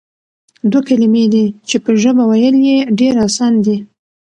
دوه کلمې دي چې په ژبه ويل ئي ډېر آسان دي،